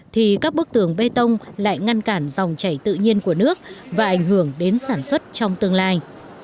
thì các bức tường bê tông lại ngăn cản dòng chảy tự nhiên của nước và ảnh hưởng đến sản xuất trong tương lai